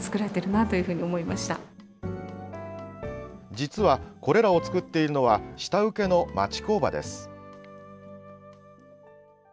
実は、これらを作っているのは下請けの町工場です。